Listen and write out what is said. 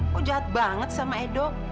aku jahat banget sama edo